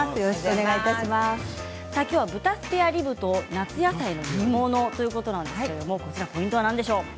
きょうは豚スペアリブと夏野菜の煮物ということですがポイントは何でしょう？